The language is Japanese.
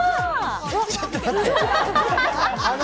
ちょっと待って。